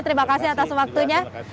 terima kasih atas waktunya